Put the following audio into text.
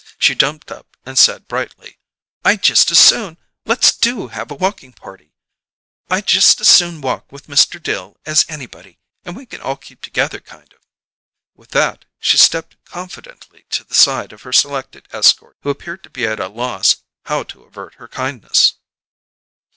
She jumped up and said brightly: "I just as soon! Let's do have a walking party. I just as soon walk with Mr. Dill as anybody, and we can all keep together, kind of." With that, she stepped confidently to the side of her selected escort, who appeared to be at a loss how to avert her kindness.